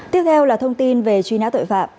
tiếp theo là thông tin về truy nã tội phạm